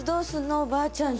おばあちゃん家。